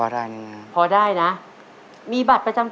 ตัวเลือดที่๓ม้าลายกับนกแก้วมาคอ